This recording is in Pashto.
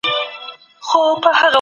ملتونه ولي د جګړې مخنیوی کوي؟